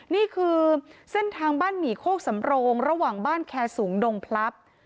นี่คือเส้นทางบ้านหมี่โคกสำโรงระหว่างบ้านแคร์สูงดงพลับ